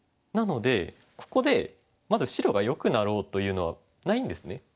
なのでここでまず白がよくなろうというのはないんですね。